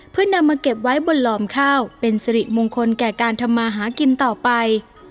เพื่อนำมาเก็บไว้บนหลอมข้าวเป็นสิริมงคลแก่การทำมาหากินต่อไป